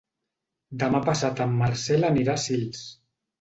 Demà passat en Marcel anirà a Sils.